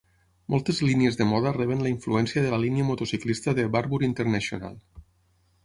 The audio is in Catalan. Moltes línies de moda reben la influència de la línia motociclista de "Barbour International".